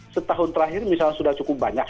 setahun terakhir misalnya sudah cukup banyak